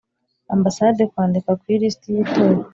Ambasade kwandika ku ilisiti y itora